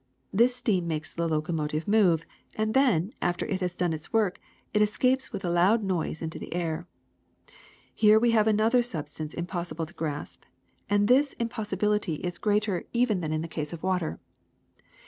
This steam makes the locomotive move, and then, after it has done its work, it escapes with a loud noise into the air. Here we have another substance im possible to grasp ; and this impossibility is greater ^32 THE SECRET OF EVERYDAY THINGS even than in the case of water.